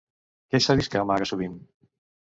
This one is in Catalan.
Què s'ha vist que amaga sovint?